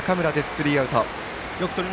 スリーアウト。